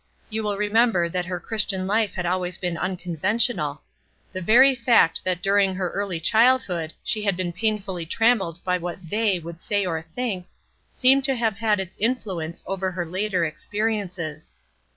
You will remember that her Christian life had been always unconventional. The very fact that during her early girlhood she had been painfully trammelled by what "they" would say or think, seemed to have had its influence over her later experiences.